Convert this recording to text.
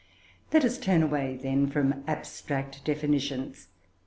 Let us turn away then from abstract definitions.